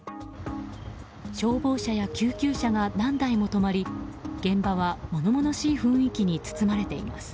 消防車や救急車が何台も止まり現場は物々しい雰囲気に包まれています。